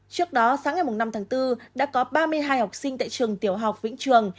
trước đó sáng ngày năm tháng bốn đã có ba mươi hai học sinh tại trường tiểu học vĩnh trường